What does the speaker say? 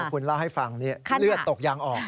คุณเล่าให้ฟังนี่เลือดตกยางออก